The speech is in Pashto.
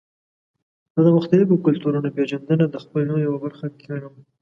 زه د مختلفو کلتورونو پیژندنه د خپل ژوند یوه برخه ګڼم.